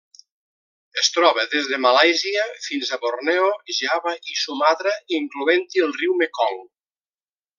Es troba des de Malàisia fins a Borneo, Java i Sumatra, incloent-hi el riu Mekong.